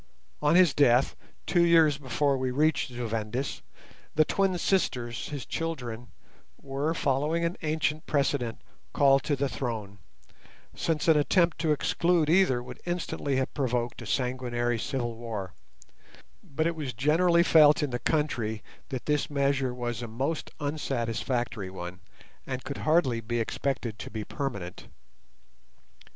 On his death, two years before we reached Zu Vendis, the twin sisters, his children, were, following an ancient precedent, called to the throne, since an attempt to exclude either would instantly have provoked a sanguinary civil war; but it was generally felt in the country that this measure was a most unsatisfactory one, and could hardly be expected to be permanent.